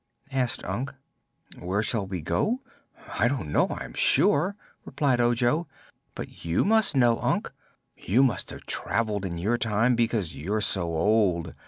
asked Unc. "Where shall we go? I don't know, I'm sure," replied Ojo. "But you must know, Unc. You must have traveled, in your time, because you're so old.